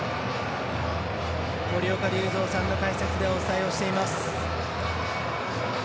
森岡隆三さんの解説でお伝えをしています。